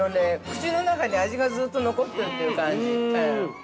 ◆口の中に、味がずっと残ってるっていう感じ。